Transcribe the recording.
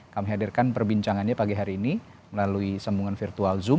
kami hadirkan perbincangannya pagi hari ini melalui sambungan virtual zoom